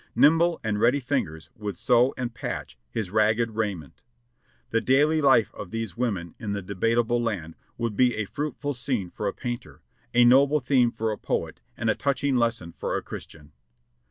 Nimble and ready fingers would sew and patch his ragged raiment. The daily life of these women in the "Debatable Land" would be a fruitful scene for a painter, a noble theme for a poet and a touching lesson for a Christian.